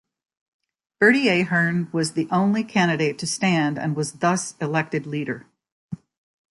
Bertie Ahern was the only candidate to stand and was thus elected leader.